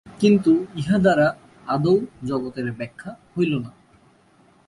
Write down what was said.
কিন্তু ইহাদ্বারা আদৌ জগতের ব্যাখ্যা হইল না।